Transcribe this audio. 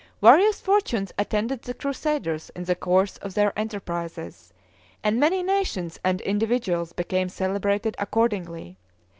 Various fortunes attended the crusaders in the course of their enterprises, and many nations and individuals became celebrated accordingly.